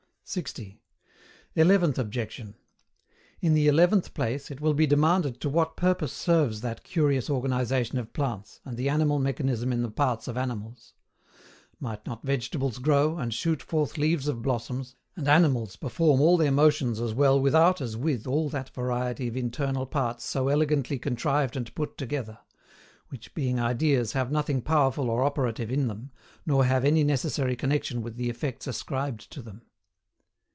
60. ELEVENTH OBJECTION. In the eleventh place, it will be demanded to what purpose serves that curious organization of plants, and the animal mechanism in the parts of animals; might not vegetables grow, and shoot forth leaves of blossoms, and animals perform all their motions as well without as with all that variety of internal parts so elegantly contrived and put together; which, being ideas, have nothing powerful or operative in them, nor have any necessary connexion with the effects ascribed to them?